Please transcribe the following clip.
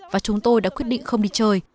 và chúng tôi đã quyết định không đi chơi